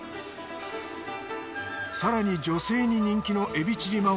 更に女性に人気のエビチリ